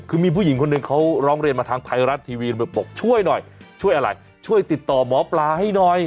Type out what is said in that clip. คือมีผู้หญิงคนหนึ่งเขาร้องเรียนมาทางไทยรัฐทีวีบอกช่วยหน่อยช่วยอะไรช่วยติดต่อหมอปลาให้หน่อย